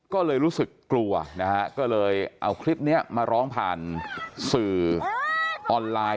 ก็เลยรู้สึกกลัวนะฮะก็เลยเอาคลิปนี้มาร้องผ่านสื่อออนไลน์